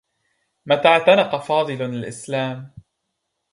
متى اعتنق فاضل الإسلام؟